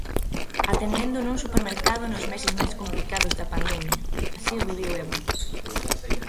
Atendendo nun supermercado nos meses máis complicados da pandemia, así o viviu Eva.